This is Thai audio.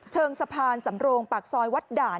เชิงสะพานสำโรงปากซอยวัดด่าน